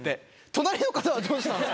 隣の方はどうして？